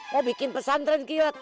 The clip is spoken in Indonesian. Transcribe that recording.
mau bikin pesantren kilat